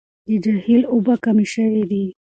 د جهيل اوبه کمې شوې دي.